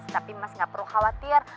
tapi mas nggak perlu khawatir